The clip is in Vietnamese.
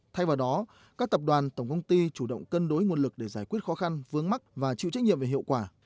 thay vào đó các tập đoàn tổng công ty chủ động cân đối nguồn lực để giải quyết khó khăn vướng mắt và chịu trách nhiệm về hiệu quả